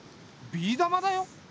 ビー玉だよ。